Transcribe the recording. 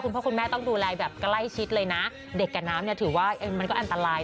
พ่อคุณแม่ต้องดูแลแบบใกล้ชิดเลยนะเด็กกับน้ำเนี่ยถือว่ามันก็อันตราย